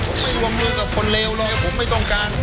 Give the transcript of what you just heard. ผมไม่วงมือกับคนเลวเลยผมไม่ต้องการ